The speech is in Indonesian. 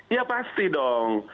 ya pasti dong